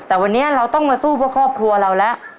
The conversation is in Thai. แต่วันนี้เราต้องมาสู้เพื่อครอบครัวเราแล้ว